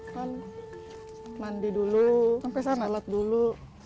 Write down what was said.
kan mandi dulu salat dulu